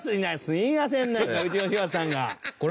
すいませんなんかうちの柴田さんが。